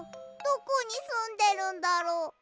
どこにすんでるんだろう？